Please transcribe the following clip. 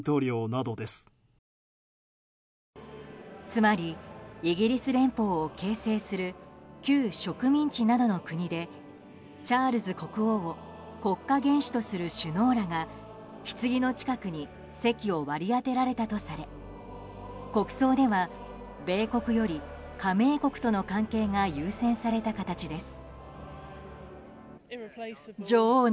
つまりイギリス連邦を形成する旧植民地などの国でチャールズ国王を国家元首とする首脳らがひつぎの近くに席を割り当てられたとされ国葬では米国より加盟国との関係が優先された形です。